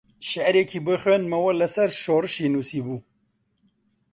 شیعرێکی بۆ خوێندمەوە لەسەر شۆڕشی نووسیبوو